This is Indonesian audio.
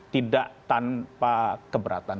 tidak tanpa keberatan